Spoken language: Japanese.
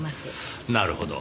なるほど。